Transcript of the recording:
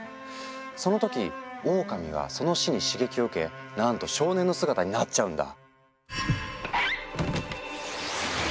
その時オオカミはその死に刺激を受けなんと少年の姿になっちゃうんだ。